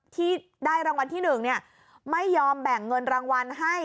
ที่ได้รางวัลที่๑ไม่ยอมแบ่งเงินรางวัลให้